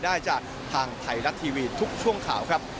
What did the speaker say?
ได้จากทางไทยรัฐทีวีทุกช่วงข่าวครับ